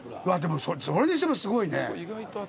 それにしてもすごいね。